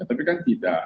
tapi kan tidak